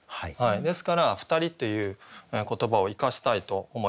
ですから「ふたり」っていう言葉を生かしたいと思います。